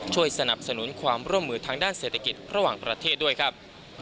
ช่วยสนับสนุนความร่วมมือทางด้านเศรษฐกิจระหว่างประเทศด้วยครับ